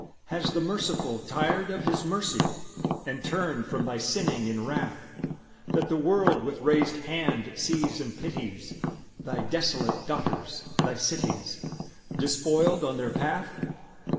Has the Merciful tired of His mercy, And turned from thy sinning in wrath, That the world with raised hand sees and pities Thy desolate daughters, thy cities, Despoiled on their path?